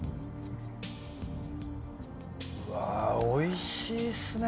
うわぁおいしいっすね。